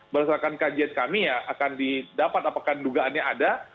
berdasarkan kajian kami ya akan didapat apakah dugaannya ada